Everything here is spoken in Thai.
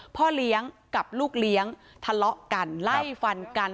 พ่อเลี้ยงกับลูกเลี้ยงทะเลาะกันไล่ฟันกัน